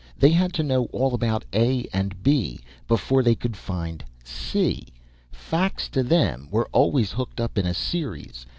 They had to know all about A and B before they could find C. Facts to them were always hooked up in a series.